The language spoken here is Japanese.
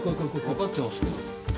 分かってますけど。